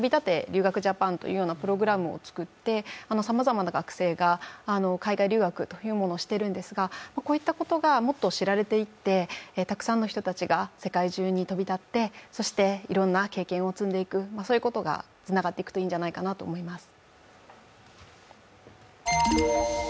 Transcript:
留学ジャパンというプログラムを作って、さまざまな学生が海外留学をしているんですがこういったことがもっと知られていってたくさんの人たちが世界中に飛び立ってそしていろんな経験を積んでいく、そういうことにつながっていくといいんじゃないかと思います。